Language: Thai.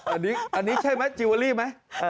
อันนี้ใช่ไหมจีวอลลี่ไหม